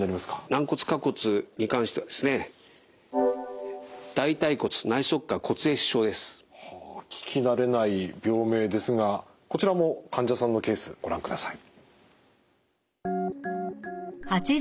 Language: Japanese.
軟骨下骨に関してはですねはあ聞き慣れない病名ですがこちらも患者さんのケースご覧ください。